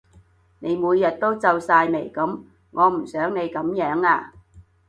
你每日都皺晒眉噉，我唔想你噉樣呀